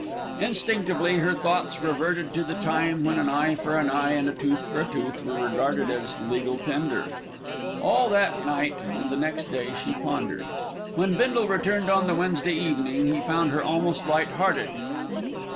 Instinctively, her thoughts reverted to the time when an eye for an eye and a tooth for a tooth were regarded as legal tender. All that night and the next day she pondered. When Bindle returned on the Wednesday evening, he found her almost light hearted.